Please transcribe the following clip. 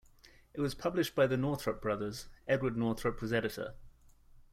It was published by the Northrup brothers - Edward Northrup was editor.